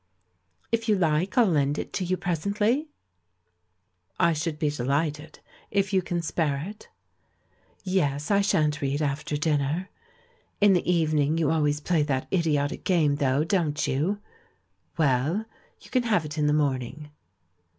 "If you like I'll lend it to you presently?" "I should be dehghted, if you can spare it?" "Yes, I shan't read after dinner. In the eve ning you always play that idiotic game, though. THE RECONCILIATION 373 don't you? Well, you can have it in the morn ing."